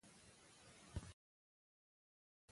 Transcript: د واک ناوړه استعمال اعتماد له منځه وړي